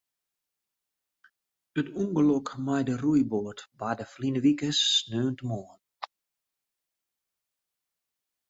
It ûngelok mei de roeiboat barde ferline wike sneontemoarn.